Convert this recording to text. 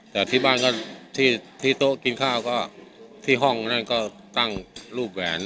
แต่ที่บ้านก็ที่โต๊ะกินข้าวก็ที่ห้องนั่นก็ตั้งรูปแหวน